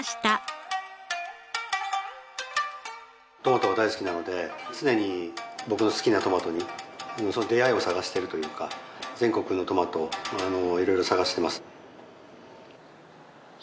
トマトが大好きなので常に僕の好きなトマトにその出会いを探してるというか全国のトマトを色々探しています。